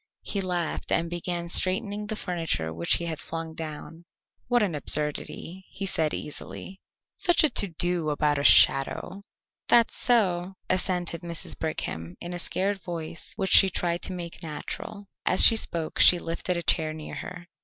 He laughed and began straightening the furniture which he had flung down. "What an absurdity," he said easily. "Such a to do about a shadow." "That's so," assented Mrs. Brigham, in a scared voice which she tried to make natural. As she spoke she lifted a chair near her.